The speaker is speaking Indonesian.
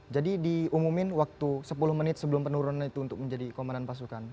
jadi diumumin waktu sepuluh menit sebelum penurunan itu untuk menjadi komandan pasukan